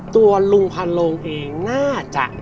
ตัวลุงพันโลงเองน่าจะ